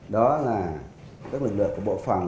đó là các lực lượng của bộ phòng